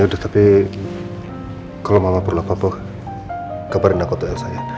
ya udah tapi kalau mama perlu apa apa kabarin aku ke elsa ya